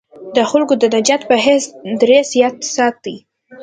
د خلکو د نجات په حیث دریځ یاد ساتي.